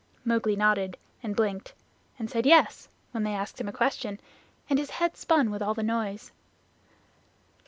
Mowgli nodded and blinked, and said "Yes" when they asked him a question, and his head spun with the noise.